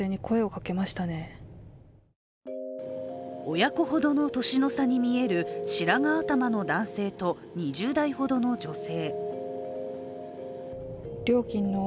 親子ほどの年の差に見える白髪頭の男性と２０代ほどの女性。